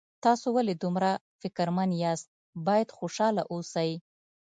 تاسو ولې دومره فکرمن یاست باید خوشحاله اوسئ